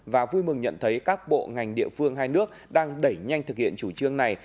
và vui mừng nhận thấy các bộ ngành địa phương hai nước đang đẩy nhanh thực hiện chủ trương này